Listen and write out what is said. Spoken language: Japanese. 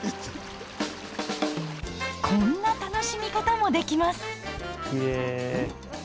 こんな楽しみ方もできます！